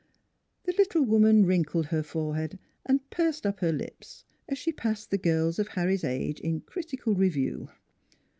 The little woman wrinkled her forehead and pursed up her lips, as she passed the girls of Harry's age in critical review.